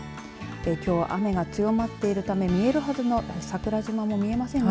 きょう雨が強まっているため見えるはずの桜島も見えません。